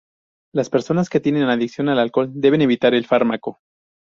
Las personas que tienen adicción al alcohol deben evitar el fármaco.